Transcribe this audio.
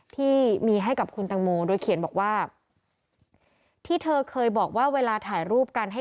ที่มีให้กับคุณตังโมโดยเขียนบอกว่าที่เธอเคยบอกว่าเวลาถ่ายรูปกันให้